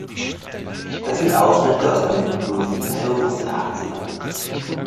Das sind Ausschnitte aus meinem Poesiealbum aus den Achtzigern.